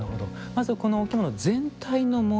まずこのお着物全体の模様